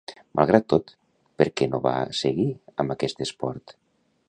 Malgrat tot, per què no va seguir amb aquest esport?